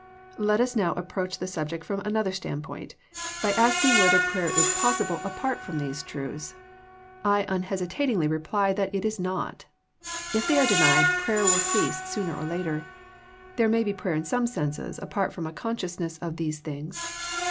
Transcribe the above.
Let us now approach the subject from another standpoint, by asking whether prayer is possible THE PLATFOEM OF PEAYEE 31 apart from these truths. I unhesitatingly reply that it is not. If they are denied prayer will cease sooner or later. There may be prayer in some senses apart from a consciousness of these things.